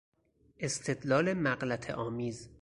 استدلال مغلطهآمیز